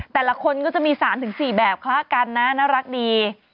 แต่ละคนก็จะมี๓๔แบบคละกันนะน่ารักดี